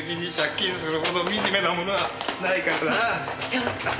ちょっと！